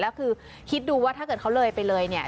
แล้วคือคิดดูว่าถ้าเกิดเขาเลยไปเลยเนี่ย